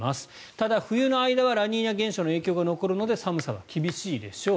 ただ、冬の間はラニーニャ現象の影響が残るので寒さは厳しいでしょう。